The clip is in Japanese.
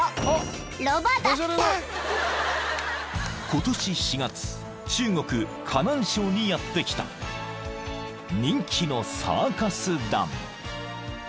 ［今年４月中国河南省にやって来た人気のサーカス団］